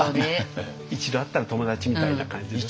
「一度会ったら友だち」みたいな感じの。